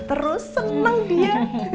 terus seneng dia